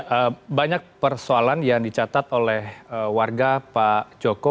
ada banyak persoalan yang dicatat oleh warga pak joko